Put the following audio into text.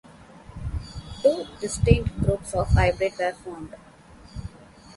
Two distinct groups of hybrids were formed.